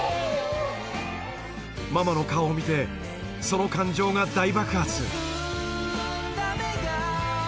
ママの顔を見てその感情が大爆発